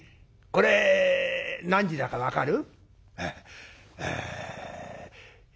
これ何時だか分かる？」。